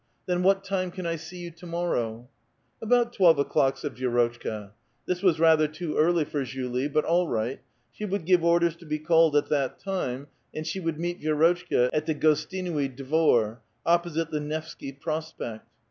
Then what time can I see vou to morrow ?"'' About twelve o'clock," said Vi^rotchka. This was ratlier too early for Julie, but all right ; she would give orders to be called at that time, and she would meet Vi6 rotehka at the Gostinui Dvor,^ opposite the Nevskv Prospokt.